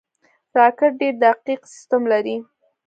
راکټ ډېر دقیق سیستم لري